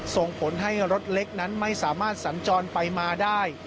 ส่งผลให้รถเล็กนั้นไม่สามารถสัญจรไปมาได้